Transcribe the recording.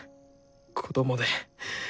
子供で！